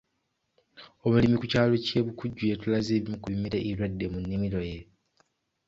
Omulimi ku kyalo ky'e Bukujju yatulaze ebimu ku bimera ebirwadde mu nnimiro ye.